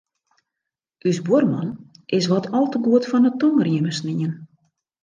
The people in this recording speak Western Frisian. Us buorman is wat al te goed fan 'e tongrieme snien.